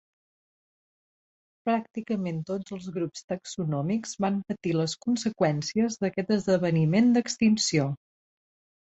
Pràcticament tots els grups taxonòmics van patir les conseqüències d'aquest esdeveniment d'extinció.